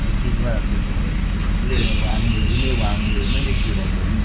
ผมคิดว่าเรื่องวางมือไม่วางมือไม่ได้คิดว่าคุณ